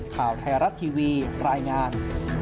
ข่าวไทยรัฐทีวีรายงาน